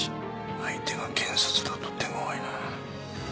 相手が検察だと手ごわいな。